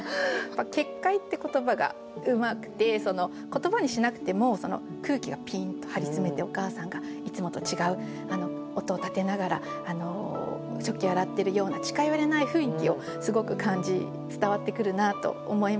「結界」って言葉がうまくて言葉にしなくても空気がピーンと張り詰めてお母さんがいつもと違う音を立てながら食器を洗ってるような近寄れない雰囲気をすごく感じ伝わってくるなと思いました。